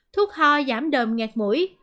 thuốc ho giảm đờm nghẹt mũi